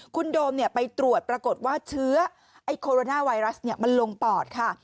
คุณโดมไปตรวจปรากฏว่าเชื้อไอ้โคโรนาไวรัสมันลงปอดค่ะ